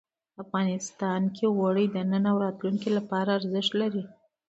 افغانستان کې اوړي د نن او راتلونکي لپاره ارزښت لري.